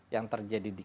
yang terjadi di